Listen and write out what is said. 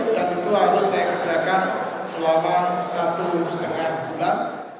dan itu harus saya kerjakan selama satu lima bulan